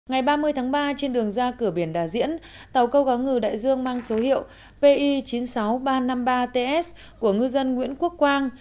ngày ba mươi tháng ba trên đường ra cửa biển đà diễn tàu câu cá ngừ đại dương mang số hiệu pi chín mươi sáu nghìn ba trăm năm mươi ba ts của ngư dân nguyễn quốc quang